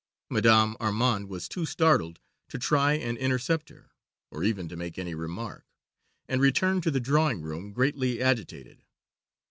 Madame Armande was too startled to try and intercept her, or even to make any remark, and returned to the drawing room greatly agitated.